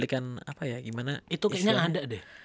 itu kayaknya ada deh